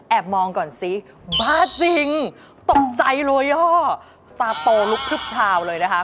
มองก่อนสิบ้าจริงตกใจเลยย่อสตาโตลุกพลึบพราวเลยนะคะ